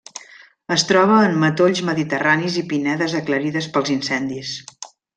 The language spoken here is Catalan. Es troba en matolls mediterranis i pinedes aclarides pels incendis.